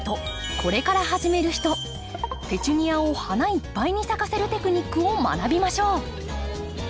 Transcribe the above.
これから始める人ペチュニアを花いっぱいに咲かせるテクニックを学びましょう。